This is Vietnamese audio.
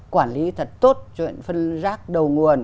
quản lý thật tốt chuyện phân rác đầu nguồn